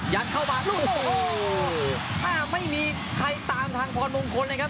ยัดเข้ามาโอ้โฮแต่ไม่มีใครตามทางพอร์ตมงคลเลยครับ